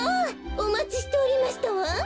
おまちしておりましたわん。